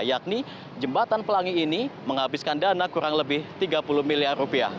yakni jembatan pelangi ini menghabiskan dana kurang lebih tiga puluh miliar